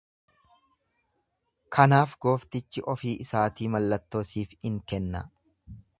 Kanaaf gooftichi ofii isaatii mallattoo siif in kenna.